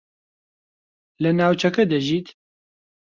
لە ناوچەکە دەژیت؟